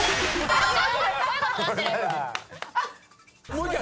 もう１回！